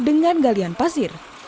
dengan galian pasir